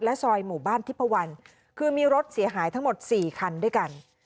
ซอยหมู่บ้านทิพวันคือมีรถเสียหายทั้งหมด๔คันด้วยกัน